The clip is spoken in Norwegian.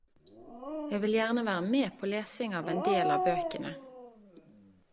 Eg vil gjerne bli med på lesinga av ein del av bøkene.